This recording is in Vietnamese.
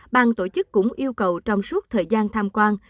bang tổ chức cũng yêu cầu trong suốt thời gian tham quan